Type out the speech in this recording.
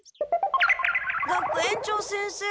学園長先生。